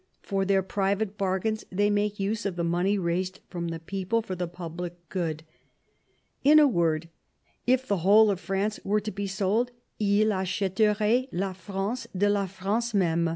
for their private bargains they make use of the money raised from the people for the public good. In a word, if the whole of France were to be sold, tls acheferoient la France de la France meme."